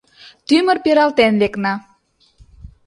Тӱмыр пералтен лекна.